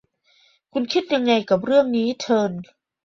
คุณคิดยังไงกับเรื่องนี้ เทิร์น